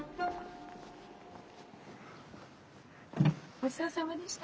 ごちそうさまでした。